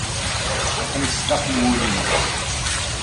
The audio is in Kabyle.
Aql-ik sdaxel n wul-inu.